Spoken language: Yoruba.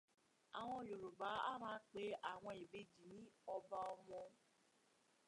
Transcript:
Àwọn Yorùbá a máa pe àwọn ìbejì ní ọba ọmọ